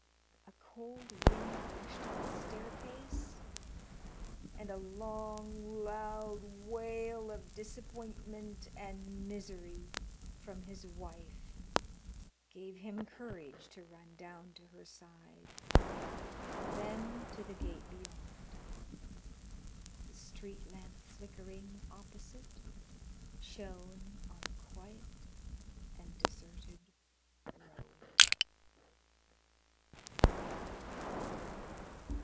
A cold wind rushed up the staircase, and a long loud wail of disappointment and misery from his wife gave him courage to run down to her side, and then to the gate beyond. The street lamp flickering opposite shone on a quiet and deserted road.